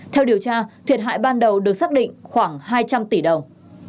theo điều tra thiệt hại ban đầu được xác định khoảng hai trăm linh tỷ đồng